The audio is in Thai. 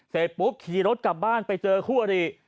เสร็จปุ๊บขี่รถกลับบ้านไปเจอคู่อริ